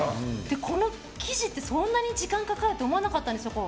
この生地ってそんな時間かかると思ってなかったんですよ。